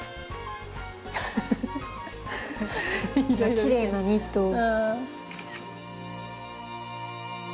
きれいなニットを。